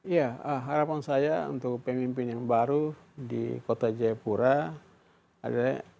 ya harapan saya untuk pemimpin yang baru di kota jayapura adalah